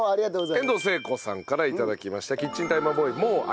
遠藤聖子さんから頂きました。